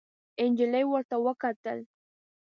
نجلۍ ورته وکتل.